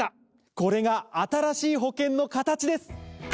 これが新しい保険の形です！